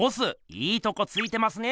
いいとこついてますね。